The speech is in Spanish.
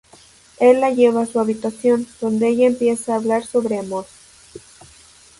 Él la lleva a su habitación, dónde ella empieza a hablar sobre amor.